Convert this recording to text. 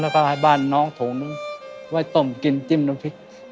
แล้วก็ให้บ้านน้องโถงนึงไว้ต้มกินจิ้มน้ำพริก